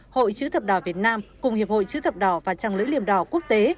hội chứa thập đỏ việt nam cùng hiệp hội chứa thập đỏ và trăng lưỡi liềm đỏ quốc tế